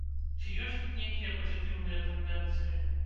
Ці ёсць тут нейкія пазітыўныя тэндэнцыі?